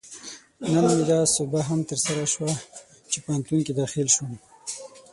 نن مې دا سوبه هم ترسره شوه، چې پوهنتون کې داخل شوم